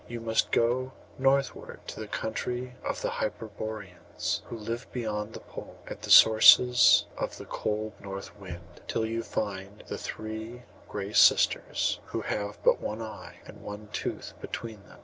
You must go northward to the country of the Hyperboreans, who live beyond the pole, at the sources of the cold north wind, till you find the three Gray Sisters, who have but one eye and one tooth between them.